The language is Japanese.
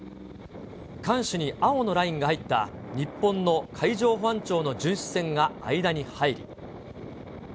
艦首に青のラインが入った日本の海上保安庁の巡視船が間に入り。